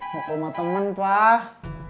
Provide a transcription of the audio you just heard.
mau ke rumah temen pak